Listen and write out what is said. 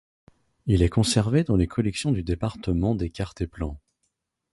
Il est conservé dans les collections du département des cartes et plans.